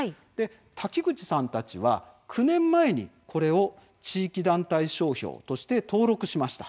滝口さんたちは９年前に、これを地域団体商標として登録しました。